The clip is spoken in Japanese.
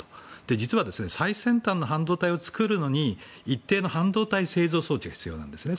実は、最先端の半導体を作るのに一定の半導体製造装置が必要なんですね。